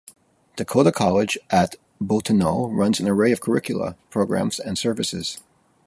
Dakota College at Bottineau runs an array of curricula, programs and services.